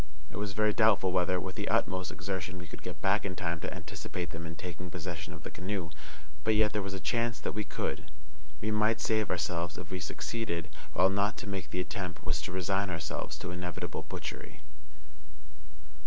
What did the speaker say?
It was very doubtful whether, with the utmost exertion, we could get back in time to anticipate them in taking possession of the canoe; but yet there was a chance that we could. We might save ourselves if we succeeded, while not to make the attempt was to resign ourselves to inevitable butchery.